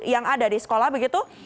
yang ada di sekolah begitu